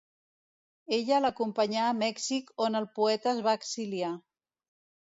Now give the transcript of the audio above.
Ella l'acompanyà a Mèxic on el poeta es va exiliar.